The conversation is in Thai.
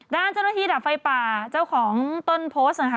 ด้านเจ้าหน้าที่ดับไฟป่าเจ้าของต้นโพสต์นะคะ